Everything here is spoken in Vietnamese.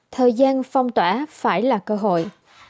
thời gian phong tỏa phải là cơ hội